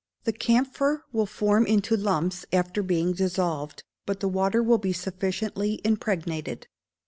The camphor will form into lumps after being dissolved, but the water will be sufficiently impregnated.